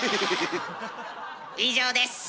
以上です。